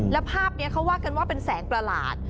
แล้วภาพนี้เขาว่ากันว่าเป็นแสงประหลาด